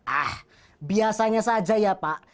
ah biasanya saja ya pak